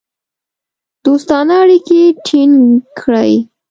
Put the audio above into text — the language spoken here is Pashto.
دوستانه اړیکې ټینګ کړې.